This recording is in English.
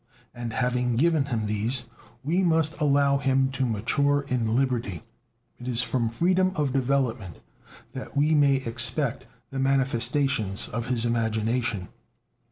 And having given him these, we must allow him to mature in liberty. It is from freedom of development that we may expect the manifestations of his imagination.